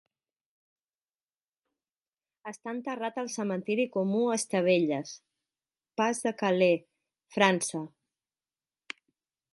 Està enterrat al cementiri comú Estevelles, Pas de Calais, França.